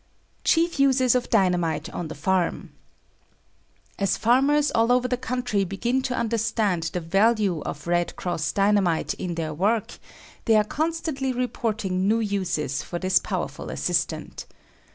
Chief Uses of Dynamite on the Farm. As farmers all over the country begin to understand the value of "Red Cross" Dynamite in their work, they are constantly reporting new uses for this powerful assistant.